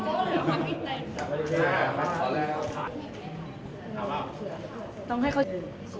แรกก็เครียดเครียดเลย